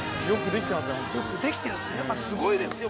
◆すごいんですよね。